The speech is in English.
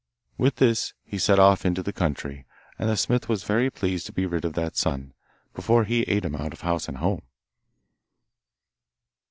With this he set off into the country, and the smith was very pleased to be rid of that son, before he ate him out of house and home.